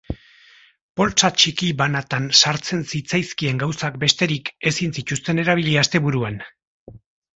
Poltsa txiki banatan sartzen zitzaizkien gauzak besterik ezin zituzten erabili asteburuan.